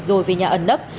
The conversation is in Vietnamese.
rồi về nhà ẩn nấp